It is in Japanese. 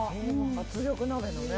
圧力鍋のね。